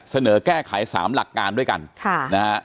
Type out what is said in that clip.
เสนอแก้ไขสามหลักการด้วยกัน